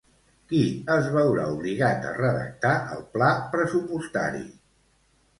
Qui es veurà obligat a redactar el pla pressupostari?